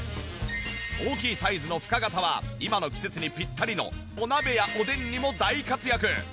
大きいサイズの深型は今の季節にピッタリのお鍋やおでんにも大活躍！